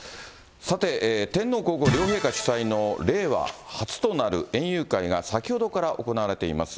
さて、天皇皇后両陛下主催の令和初となる園遊会が先ほどから行われています。